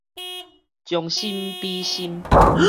將心比心